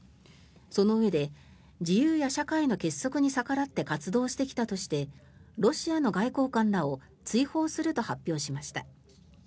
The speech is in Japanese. そのうえで、自由や社会の結束に逆らって活動してきたとしてロシアの外交官らを追放すると発表しました。